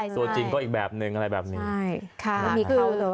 ส่วนจริงก็อีกแบบหนึ่งอะไรแบบนี้